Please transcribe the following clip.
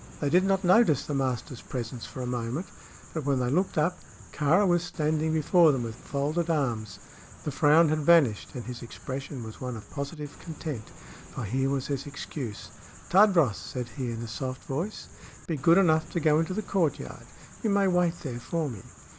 They did not notice the master's presence for a moment; but when they looked up, Kāra was standing before them with folded arms. The frown had vanished, and his expression was one of positive content; for here was his excuse. "Tadros," said he, in a soft voice, "be good enough to go into the courtyard. You may wait there for me."